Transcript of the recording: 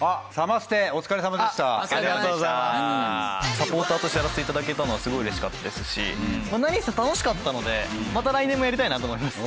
サポーターとしてやらせて頂けたのはすごい嬉しかったですし何せ楽しかったのでまた来年もやりたいなと思います。